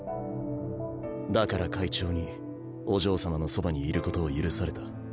だから会長にお嬢様のそばにいることを許された。